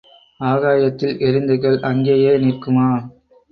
ஆகாயத்தில் எறிந்த கல் அங்கேயே நிற்குமா?